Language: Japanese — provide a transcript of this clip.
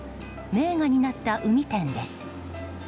名画になった海展です。